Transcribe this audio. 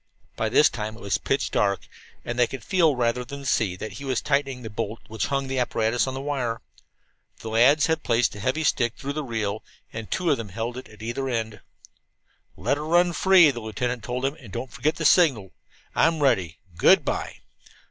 By this time it was pitch dark, and they could feel, rather than see, that he was tightening the bolt which hung the apparatus on the wire. The lads had placed a heavy stick through the reel, and two of them held either end of it. "Let it run free," the lieutenant told them. "And don't forget the signal. I'm ready. Good by!"